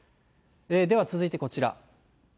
では続いてこちら。